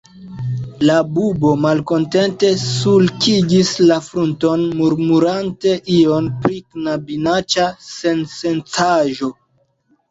La bubo malkontente sulkigis la frunton, murmurante ion pri "knabinaĉa sensencaĵo".